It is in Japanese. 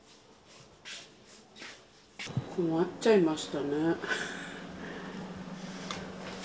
困っちゃいましたね。